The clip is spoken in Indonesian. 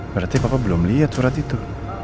berarti papa belum liat surat itu